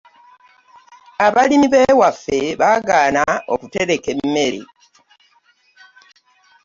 Abalimi be waffe baagaana okutereka emmere.